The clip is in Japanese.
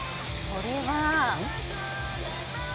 それは。